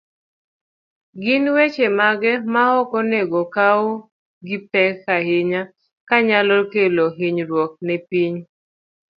Gin weche mage maok onego okaw gipek ahinya, manyalo kelo hinyruok ne piny?